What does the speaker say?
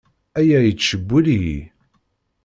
Aya yettcewwil-iyi.